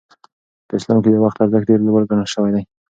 په اسلام کې د وخت ارزښت ډېر لوړ ګڼل شوی دی.